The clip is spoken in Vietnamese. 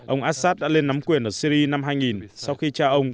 ông assad đã lên nắm quyền ở syri năm hai nghìn sau khi cha ông